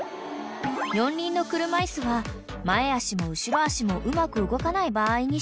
［四輪の車椅子は前脚も後ろ脚もうまく動かない場合に使用］